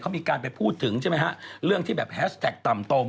เขามีการไปพูดถึงใช่ไหมฮะเรื่องที่แบบแฮชแท็กต่ำตรง